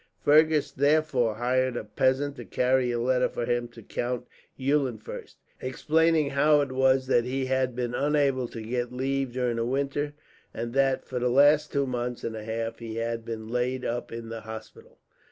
Fergus therefore hired a peasant to carry a letter for him to Count Eulenfurst, explaining how it was that he had been unable to get leave during the winter; and that, for the last two months and a half, he had been laid up in the hospital.